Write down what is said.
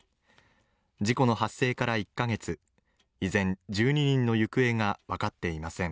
事故の発生から１カ月、依然、１２人の行方が分かっていません。